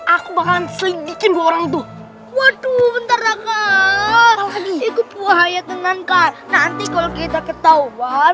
aku bahkan selidikin orang tuh waduh bentar lagi itu bahaya tenangkan nanti kalau kita ketahuan